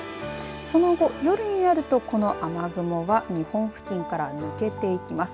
その後、夜になるとこの雨雲は日本付近から抜けていきます。